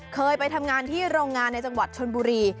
เคยไปทำงานที่โรงงานในจังหวัดชนบุรี